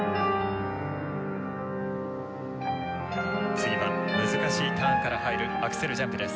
次は難しいターンから入るアクセルジャンプです。